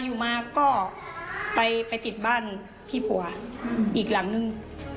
อยู่มาก็ไปติดบ้านพี่ผัวอีกหลังนึง